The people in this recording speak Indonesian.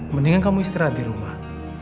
mendingan kamu istirahat di rumah